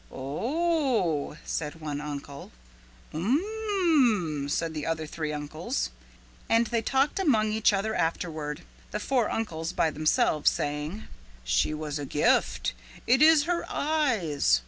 "O h h h," said one uncle. "Um m m m," said the other three uncles. And they talked among each other afterward, the four uncles by themselves, saying: "She has a gift. It is her eyes.